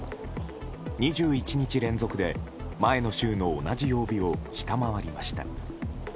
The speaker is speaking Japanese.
２１日連続で前の週の同じ曜日を下回りました。